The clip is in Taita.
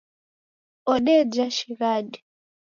Odeja shighadi.